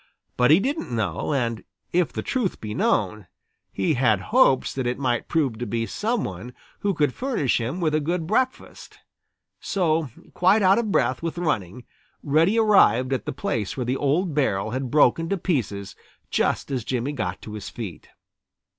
But he didn't know, and if the truth be known, he had hopes that it might prove to be some one who would furnish him with a good breakfast. So, quite out of breath with running, Reddy arrived at the place where the old barrel had broken to pieces just as Jimmy got to his feet.